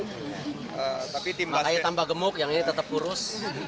makanya tambah gemuk yang ini tetap kurus